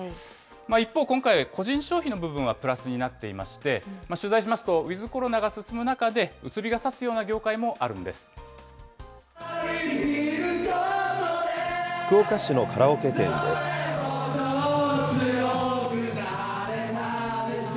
一方、今回、個人消費の部分はプラスになっていまして、取材しますと、ウィズコロナが進む中で、薄日がさすような業界もあるんで福岡市のカラオケ店です。